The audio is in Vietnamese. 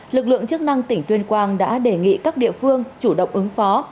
lực lượng chức năng tỉnh tuyên quang đã đề nghị các địa phương chủ động ứng phó